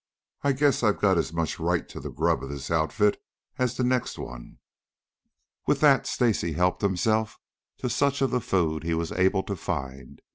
I guess I've got as much right to the grub of this outfit as the next one." With that Stacy helped himself to such of the food as he was able to find.